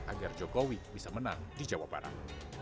agar jokowi bisa menang di jawa barat